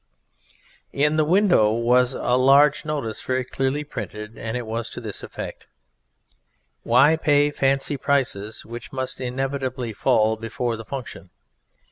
In the window was a large notice, very clearly printed, and it was to this effect: WHY PAY FANCY PRICES WHICH MUST INEVITABLY FALL BEFORE THE FUNCTION?